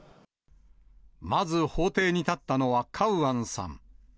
まず、法廷に立ったのはカウアンさん。